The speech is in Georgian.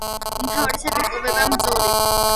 უმთავრესად იკვებება მძორით.